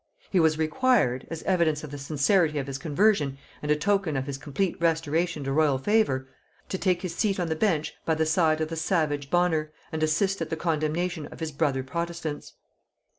He was required, as evidence of the sincerity of his conversion and a token of his complete restoration to royal favor, to take his seat on the bench by the side of the savage Bonner, and assist at the condemnation of his brother protestants.